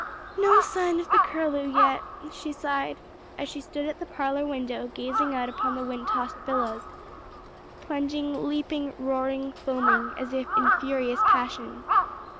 "No sign of the Curlew yet," she sighed, as she stood at the parlor window gazing out upon the wind tossed billows, plunging, leaping, roaring, foaming as if in furious passion.